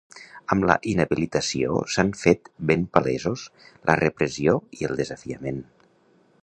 Amb la inhabilitació s'han fet ben palesos la repressió i el desafiament.